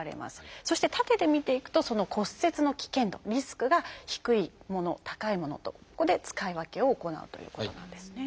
そして縦で見ていくとその骨折の危険度リスクが低いもの高いものとここで使い分けを行うということなんですね。